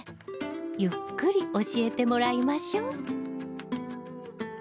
ゆっくり教えてもらいましょう。